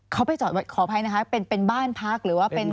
เขาไปจอดขออภัยนะคะเป็นบ้านพักหรือว่าเป็น